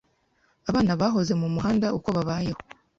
abana bahoze mu muhandauko babayeho.